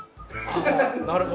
なるほど。